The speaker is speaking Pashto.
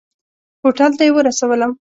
هوټل ته یې ورسولم.